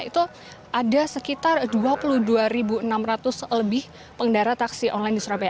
itu ada sekitar dua puluh dua enam ratus lebih pengendara taksi online di surabaya